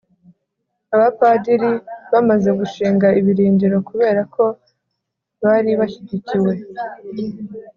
abapadiri bamaze gushinga ibirindiro kubera ko bari bashyigikiwe